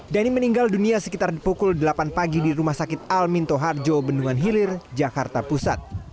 dhani meninggal dunia sekitar pukul delapan pagi di rumah sakit al minto harjo bendungan hilir jakarta pusat